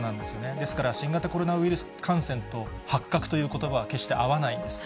ですから、新型コロナウイルス感染と発覚ということばは決して合わないんです。